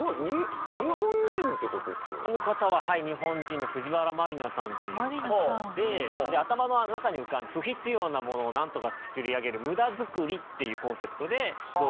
あの方は日本人の藤原麻里菜さんという方で頭の中に浮かんだ不必要なものをなんとか作り上げる無駄づくりっていうコンセプトで動画を作っていて。